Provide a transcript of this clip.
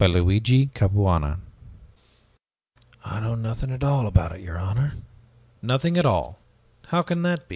LUIGI CAPUANA The Deposition "I know nothing at all about it, your honor!" "Nothing at all? How can that be?